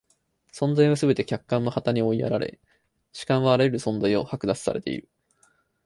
存在はすべて客観の側に追いやられ、主観はあらゆる存在を剥奪されている。